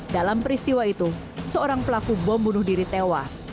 dalam peristiwa itu seorang pelaku bom bunuh diri tewas